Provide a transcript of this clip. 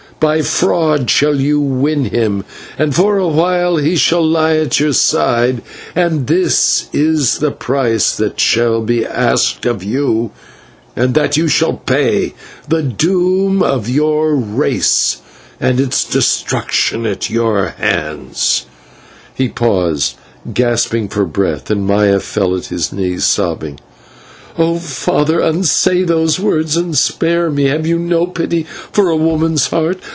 By fraud shall you win him, and for a while he shall lie at your side, and this is the price that shall be asked of you, and that you shall pay the doom of your race, and its destruction at your hands " He paused, gasping for breath, and Maya fell at his knees, sobbing: "Oh! father, unsay those words and spare me. Have you no pity for a woman's heart?"